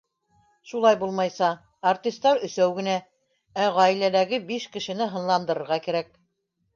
Шулай булмайса, «артистар» өсәү генә, ә ғаиләләге биш кешене һынландырырға кәрәк.